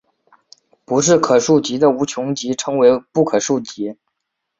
不是可数集的无穷集称为不可数集。